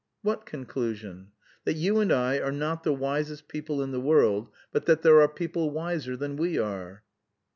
"What conclusion?" "That you and I are not the wisest people in the world, but that there are people wiser than we are."